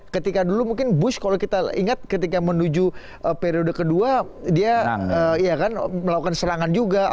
ketika dulu mungkin bush kalau kita ingat ketika menuju periode kedua dia kan melakukan serangan juga